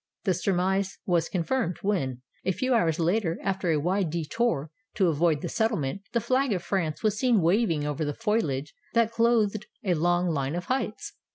The surmise was confirmed when, a few hours later, after a wide detour to avoid the settlement, the flag of France was seen waving over the foliage that clothed a long line of heights.